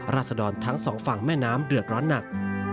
ราศดรทั้งสองฝั่งแม่น้ำเดือดร้อนหนัก